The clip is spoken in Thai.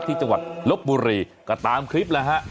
ที่จังหวัดลบบุรีก็ตามคลิปนะฮะ